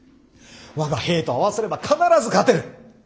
我が兵と合わせれば必ず勝てる。